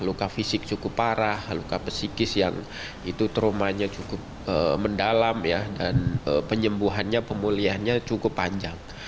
luka fisik cukup parah luka pesikis yang itu traumanya cukup mendalam dan penyembuhannya pemulihannya cukup panjang